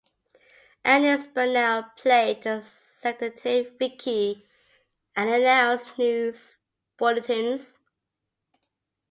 Agnes Bernelle "played" the seductive "Vicki" and announced news bulletins.